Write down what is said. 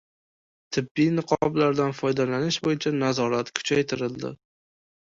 Tibbiy niqoblardan foydalanish bo‘yicha nazorat kuchaytirildi